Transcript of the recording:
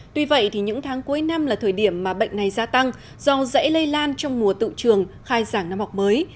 tuy vậy thì những tháng cuối năm là thời điểm mà bệnh này gia tăng do dãy lây lan trong mùa tự trường khai giảng năm học mới